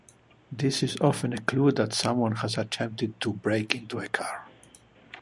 This is often a clue that someone has attempted to break into a car.